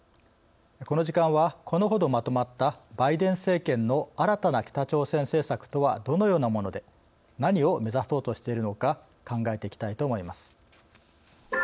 この時間はこのほどまとまったバイデン政権の新たな北朝鮮政策とはどのようなもので何を目指そうとしているのか考えていきたいと思います。